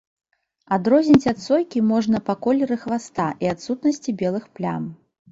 Адрозніць ад сойкі можна па колеры хваста і адсутнасці белых плям.